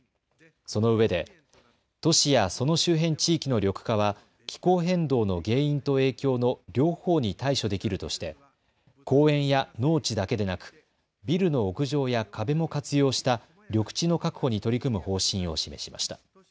そのうえで都市やその周辺地域の緑化は気候変動の原因と影響の両方に対処できるとして公園や農地だけでなくビルの屋上や壁も活用した緑地の確保に取り組む方針を示しました。